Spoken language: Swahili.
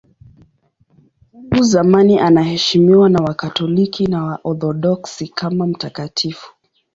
Tangu zamani anaheshimiwa na Wakatoliki na Waorthodoksi kama mtakatifu.